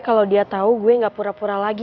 kalau dia tahu gue gak pura pura lagi